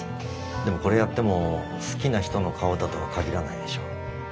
でもこれやっても好きな人の顔だとは限らないでしょ。